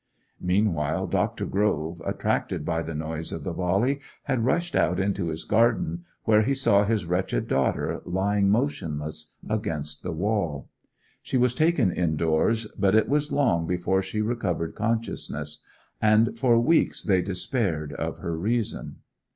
Meanwhile Dr. Grove, attracted by the noise of the volley, had rushed out into his garden, where he saw his wretched daughter lying motionless against the wall. She was taken indoors, but it was long before she recovered consciousness; and for weeks they despaired of her reason.